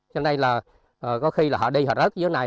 cho nên là có khi là họ đi họ rớt dưới này